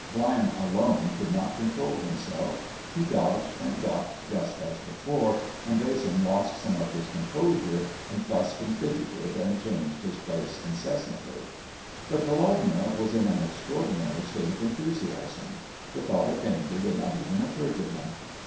Viang alone could not control himself ; he dodged and ducked just as before, and Vasin lost some of his composure, and fussed and fidgeted and changed his place incessantly. But Volodya was in an extraordinary state of enthusiasm ; the thought of danger did not even occur to him.